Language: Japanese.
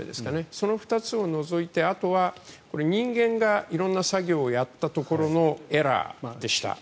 その２つを除いてあとは人間がいろんな作業をやったところのエラーでした。